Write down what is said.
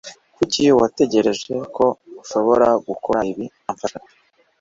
Kuki watekereje ko ushobora gukora ibi nta mfashanyo?